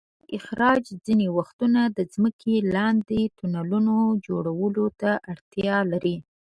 د سکرو استخراج ځینې وختونه د ځمکې لاندې د تونلونو جوړولو ته اړتیا لري.